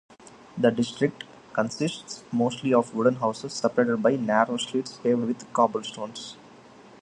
The district consists mostly of wooden houses, separated by narrow streets paved with cobblestones.